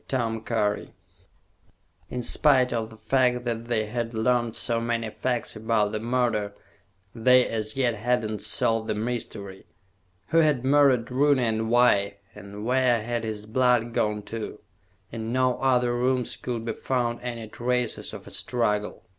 In spite of the fact that they had learned so many facts about the murder, they as yet had not solved the mystery. Who had murdered Rooney, and why? And where had his blood gone to? In no other rooms could be found any traces of a struggle.